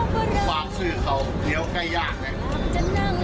ภาพชื่อเขาเหนียวไก่ย่าง